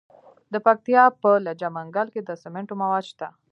د پکتیا په لجه منګل کې د سمنټو مواد شته.